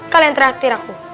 kalian terakhir aku